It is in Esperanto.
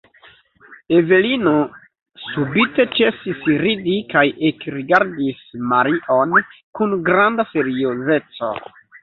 Evelino subite ĉesis ridi kaj ekrigardis Marion kun granda seriozeco.